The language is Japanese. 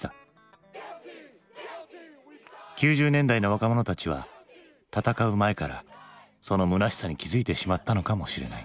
９０年代の若者たちは闘う前からそのむなしさに気付いてしまったのかもしれない。